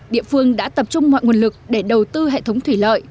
địa phương đã tập trung mọi nguồn lực để đầu tư hệ thống thủy lợi